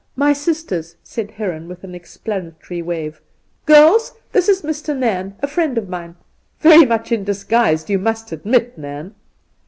My sisters,' said Heron, with an explanatory ware, ' Girls, this is Mr. Nairn, a friend of mine. Yery much in disguise, you must admit, Nairn!'